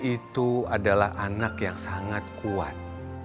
itu adalah anak yang sangat kuat